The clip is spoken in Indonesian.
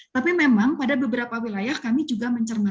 tapi memang pada beberapa wilayah kami juga mencernakan